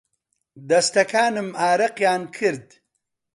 دەستەکانم ئارەقیان کرد.